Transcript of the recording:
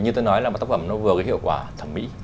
vì như tôi nói là tác phẩm nó vừa hiệu quả thẩm mỹ